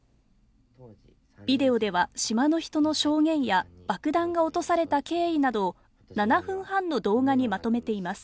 ビデオでは、島の人の証言や爆弾が落とされた経緯などを７分半の動画にまとめています。